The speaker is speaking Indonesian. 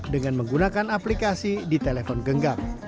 dengan menggunakan aplikasi di telepon genggam